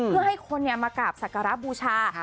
เพื่อให้คนเนี่ยมากราบศักรบูชา